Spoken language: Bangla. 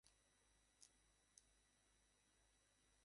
পরে রামমোহন রায়ের সঙ্গে ধর্মমত নিয়ে বিরোধ বাধায় তিনি এই কাজ ত্যাগ করেন।